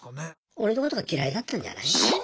俺のことが嫌いだったんじゃない？